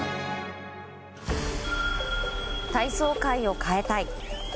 体操界を変えたい。